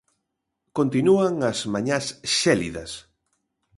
Continúan as mañás xélidas.